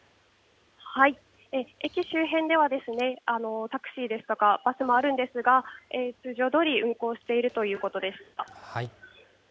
駅周辺では、タクシーですとかバスもあるんですが、通常どおり運行しているということです。